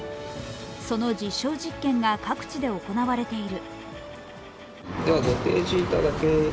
その実証実験が各地で行われている。